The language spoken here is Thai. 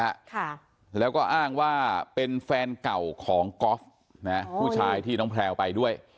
ค่ะแล้วก็อ้างว่าเป็นแฟนเก่าของก๊อฟนะฮะผู้ชายที่น้องแพลวไปด้วย